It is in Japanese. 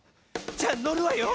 じゃあのるわよ。